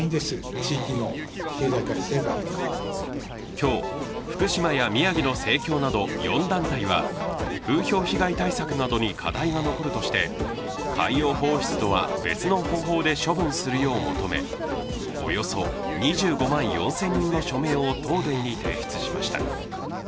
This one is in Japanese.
今日、福島や宮城の生協など４団体は、風評被害対策などに課題が残るとして海洋放出とは別の方法で処分するよう求め、およそ２５万４０００人の署名を東電に提出しました。